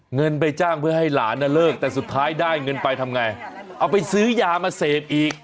เงินไปจ้างเพื่อให้หลานเลิกแต่สุดท้ายได้เงินไปทำไงเอาไปซื้อยามาเสพอีก